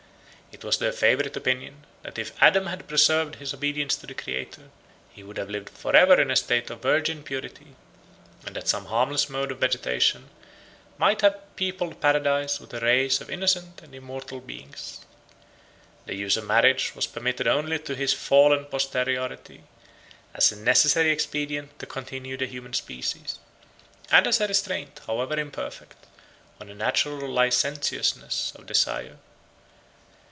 It was their favorite opinion, that if Adam had preserved his obedience to the Creator, he would have lived forever in a state of virgin purity, and that some harmless mode of vegetation might have peopled paradise with a race of innocent and immortal beings. 91 The use of marriage was permitted only to his fallen posterity, as a necessary expedient to continue the human species, and as a restraint, however imperfect, on the natural licentiousness of desire.